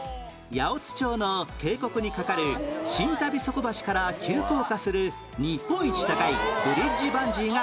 八百津町の渓谷にかかる新旅足橋から急降下する日本一高いブリッジバンジーが大人気